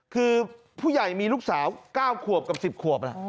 คือผู้ใหญ่มีลูกสาว๙ขวบกับ๑๐ขวบ